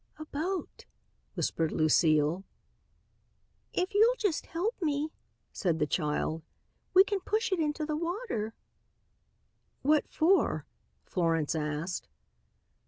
"A boat," whispered Lucile. "If you'll just help me," said the child, "we can push it into the water." "What for?" Florence asked.